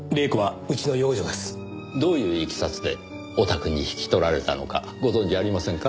どういう経緯でお宅に引き取られたのかご存じありませんか？